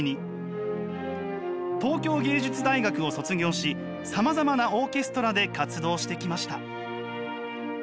東京藝術大学を卒業しさまざまなオーケストラで活動してきました。